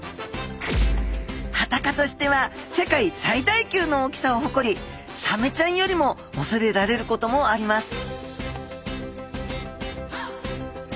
ハタ科としては世界最大級の大きさをほこりサメちゃんよりもおそれられることもあります